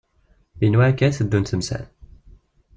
Yenwa akka i teddunt temsal.